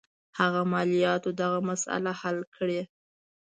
هغه مالیاتو دغه مسله حل کړي.